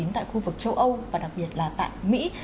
tại khu vực châu âu và đặc biệt là tại mỹ